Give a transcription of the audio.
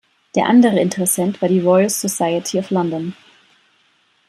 Der andere Interessent war die Royal Society of London.